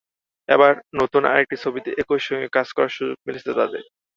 এবার নতুন আরেকটি ছবিতে একই সঙ্গে কাজ করার সুযোগ মিলেছে তাঁদের।